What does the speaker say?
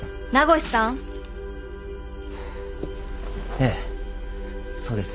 ええそうです。